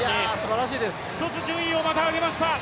１つ順位をまた上げました。